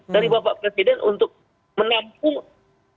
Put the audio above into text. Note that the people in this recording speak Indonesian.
dari bapak presiden untuk menampung